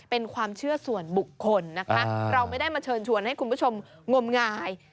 เป็นความเชื่อส่วนบุคคลนะคะเราไม่ได้มาเชิญชวนให้คุณผู้ชมงมงาย